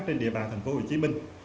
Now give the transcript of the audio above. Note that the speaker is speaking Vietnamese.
trên địa bàn thành phố hồ chí minh